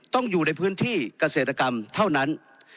ต้องอยู่ในพื้นที่เกษตรกรรมเท่านั้น